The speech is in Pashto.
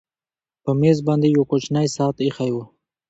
په مېز باندې یو کوچنی ساعت ایښی و